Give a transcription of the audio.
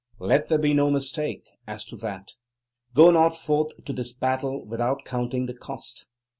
Let there be no mistake as to that. Go not forth to this battle without counting the cost.